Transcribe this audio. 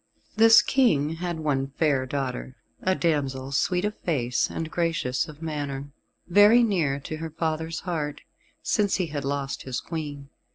This King had one fair daughter, a damsel sweet of face and gracious of manner, very near to her father's heart, since he had lost his Queen.